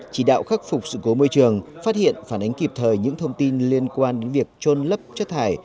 chỉ đạo khắc phục sự cố môi trường phát hiện phản ánh kịp thời những thông tin liên quan đến việc trôn lấp chất thải